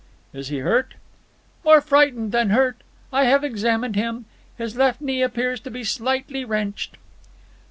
"Is he hurt?" "More frightened than hurt. I have examined him. His left knee appears to be slightly wrenched."